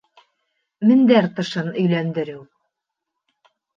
Мендәр тышын өйләндереү